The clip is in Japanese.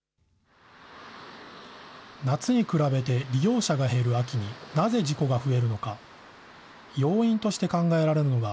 夏に比べて利用者が減る秋に、なぜ事故が増えるのか。